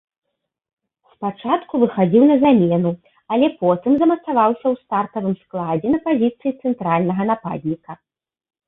Спачатку выхадзіў на замену, але потым замацаваўся ў стартавым складзе на пазіцыі цэнтральнага нападніка.